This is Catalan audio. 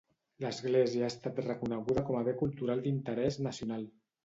L'església ha estat reconeguda com a Bé Cultural d'Interès Nacional.